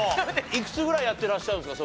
いくつぐらいやってらっしゃるんですか？